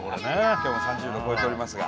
今日も３０℃を超えておりますが。